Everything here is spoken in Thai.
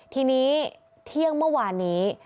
ทีนี้เที่ยงเมื่อวานนี้